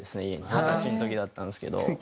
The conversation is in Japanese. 二十歳の時だったんですけど。